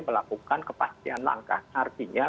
melakukan kepastian langkah artinya